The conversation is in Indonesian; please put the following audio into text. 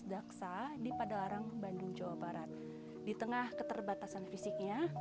daksa di padalarang bandung jawa barat di tengah keterbatasan fisiknya